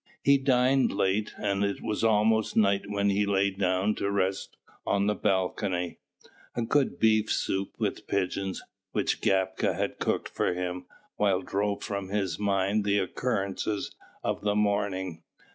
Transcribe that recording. He dined late, and it was almost night when he lay down to rest on the balcony. A good beet soup with pigeons, which Gapka had cooked for him, quite drove from his mind the occurrences of the morning.